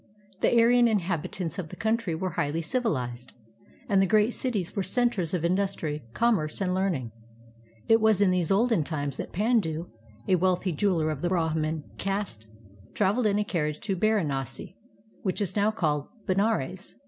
The Aryan inhabitants of the country were highly civilized, and the great cities were centers of industry, commerce, and learning. It was in those olden times that Pandu, a wealthy jeweler of the Brahman caste, traveled in a carriage to Baranasi, which is now called Benares.